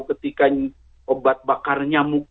ketika obat bakar nyamuk